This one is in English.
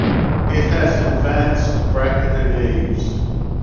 It has advanced bracketed eaves.